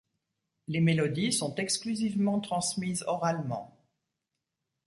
Les mélodies sont exclusivement transmises oralement.